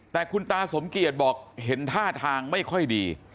แต่คุณตาสมเกียจบอกเห็นท่าทางไม่ค่อยดี